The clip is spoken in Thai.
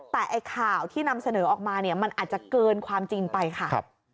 แต่ไอ้ข่าวที่นำเสนอออกมาเนี่ยมันอาจจะเกินความจริงไปค่ะ